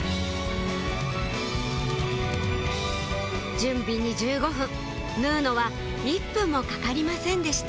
準備に１５分縫うのは１分もかかりませんでした・